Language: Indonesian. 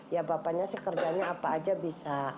ya bapaknya sih kerjanya apa aja bisa